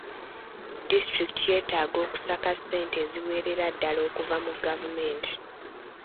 Disitulikiti yeetaaga okusaka ssente eziwerera ddaala okuva mu gavumenti.